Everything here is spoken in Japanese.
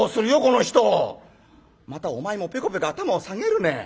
またお前もペコペコ頭を下げるな。